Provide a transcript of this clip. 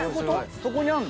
そこにあるの？